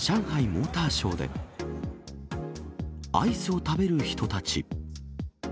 モーターショーで、アイスを食べる人たち。